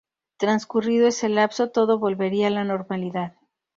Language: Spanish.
Transcurrido ese lapso, todo volvería a la normalidad.